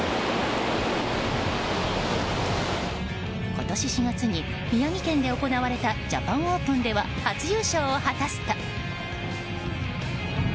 今年４月に宮城県で行われたジャパンオープンでは初優勝を果たすと。